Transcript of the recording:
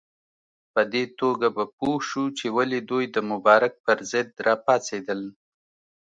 په دې توګه به پوه شو چې ولې دوی د مبارک پر ضد راپاڅېدل.